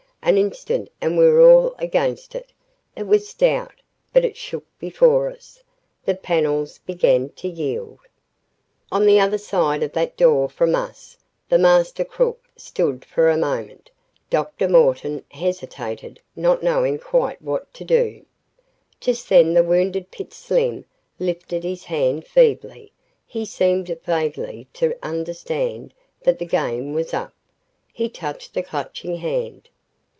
An instant and we were all against it. It was stout, but it shook before us. The panels began to yield. ........ On the other side of that door from us, the master crook stood for a moment. Dr. Morton hesitated, not knowing quite what to do. Just then the wounded Pitts Slim lifted his hand feebly. He seemed vaguely to understand that the game was up. He touched the Clutching Hand.